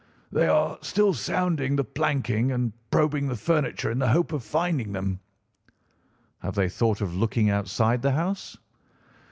"They are still sounding the planking and probing the furniture in the hope of finding them." "Have they thought of looking outside the house?"